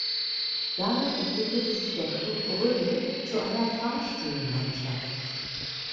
Danach entwickelte sich der Club Brügge zu einer Fahrstuhlmannschaft.